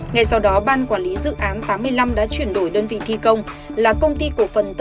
ngay sau đó ban quản lý dự án tám mươi năm đã chuyển đổi đơn vị thi công là công ty cổ phần tập